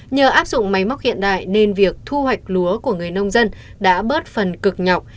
nhờ áp dụng máy móc hiện đại nên việc thu hoạch lúa của người nông dân đã bớt phần cực nhọc